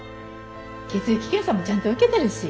血液検査もちゃんと受けてるし。